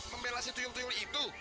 membelas itu tuyul tuyul itu